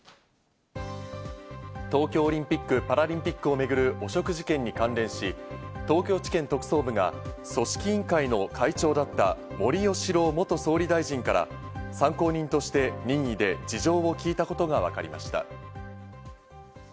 東京オリンピック・パラリンピックを巡る汚職事件に関連し、東京地検特捜部が組織委員会の会長だった森喜朗元総理大臣から参考人として任意で事情を聞いたことがわかりました。